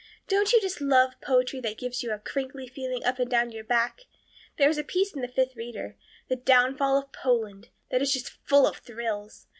Don't you just love poetry that gives you a crinkly feeling up and down your back? There is a piece in the Fifth Reader 'The Downfall of Poland' that is just full of thrills.